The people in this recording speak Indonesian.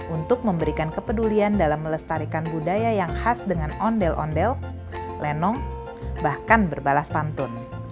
untuk memberikan kepedulian dalam melestarikan budaya yang khas dengan ondel ondel lenong bahkan berbalas pantun